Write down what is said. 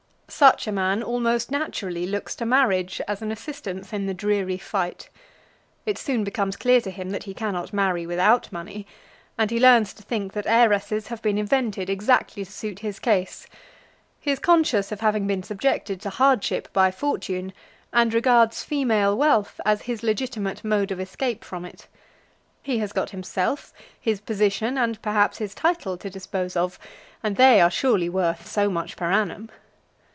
Such a man almost naturally looks to marriage as an assistance in the dreary fight. It soon becomes clear to him that he cannot marry without money, and he learns to think that heiresses have been invented exactly to suit his case. He is conscious of having been subjected to hardship by Fortune, and regards female wealth as his legitimate mode of escape from it. He has got himself, his position, and, perhaps, his title to dispose of, and they are surely worth so much per annum.